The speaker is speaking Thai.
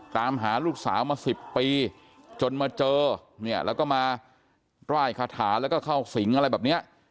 ตามหาลูกสาวมา๑๐ปีจนมาเจอเนี่ยแล้วก็มาร่ายคาถาแล้วก็เข้าสิงอะไรแบบนี้